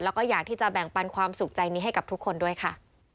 แล้วก็อยากที่จะแบ่งปันความสุขใจนี้ให้กับทุกคนด้วยค่ะ